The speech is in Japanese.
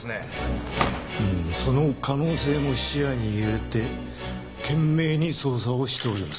うーんその可能性も視野に入れて懸命に捜査をしております。